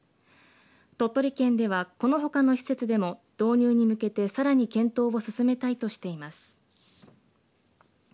鳥取県では、このほかの施設でも導入に向けてさらに検討を進めたいとしています。